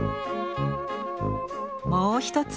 もう一つ